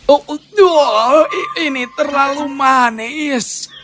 oh ini terlalu manis